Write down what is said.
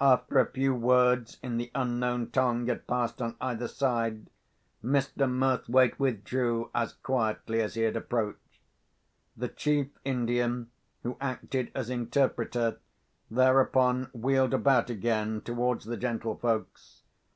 After a few words in the unknown tongue had passed on either side, Mr. Murthwaite withdrew as quietly as he had approached. The chief Indian, who acted as interpreter, thereupon wheeled about again towards the gentlefolks.